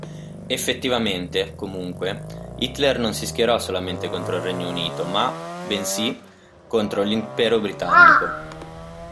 Effettivamente, comunque, Hitler non si schierò solamente contro il Regno Unito ma, bensì, contro l'impero britannico.